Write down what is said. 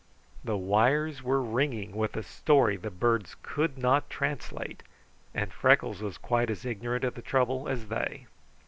The wires were ringing with a story the birds could not translate, and Freckles was quite as ignorant of the trouble as they.